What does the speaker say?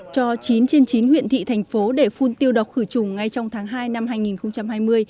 cho chín trên chín huyện thị thành phố để phun tiêu độc khử trùng ngay trong tháng hai năm hai nghìn hai mươi